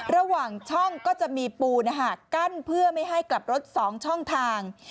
ระหว่างช่องก็จะมีปูนกั้นเพื่อไม่ให้กลับรถ๒ช่องทาง